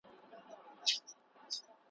اوس له چا سره دعوا کړم راته وایه مینتوبه